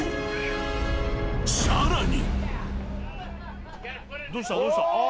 ［さらに］